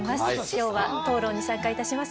今日は討論に参加いたします。